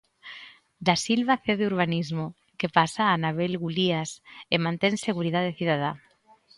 Da Silva cede Urbanismo, que pasa a Anabel Gulías, e mantén Seguridade Cidadá.